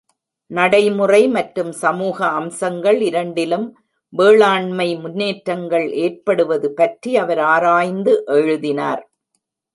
நடைமுறை மற்றும் சமூக அம்சங்கள் இரண்டிலும் வேளாண்மை முன்னேற்றங்கள் ஏற்படுவது பற்றி அவர் ஆராய்ந்து எழுதினார்.